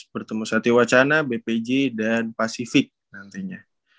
bertemu satya wacana bpj dan pacific nantinya